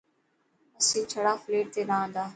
اسين ڇڙا فليٽ تي رها تا.